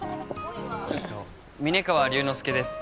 峯川龍之介です